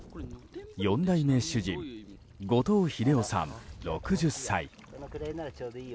４代目主人後藤英男さん、６０歳。